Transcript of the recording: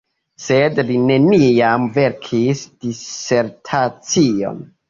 Sed li neniam verkis disertacion.